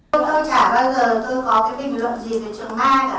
tôi không trả bao giờ tôi có cái bình luận gì về trường mai cả